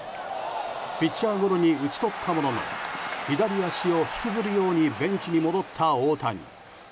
ピッチャーゴロに打ち取ったものの左足を引きずるようにベンチに戻った大谷。